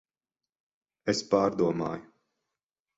Es pārdomāju.